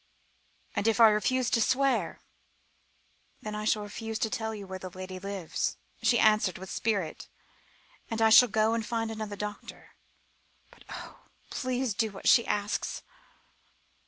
"And if I refuse to swear?" "Then I shall refuse to tell you where the lady lives," she answered with spirit, "and I shall go and find another doctor. But oh! please do what she asks."